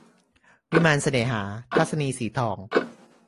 วิมานเสน่หา - ทัศนีย์ สีทอง